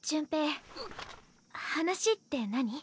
話って何？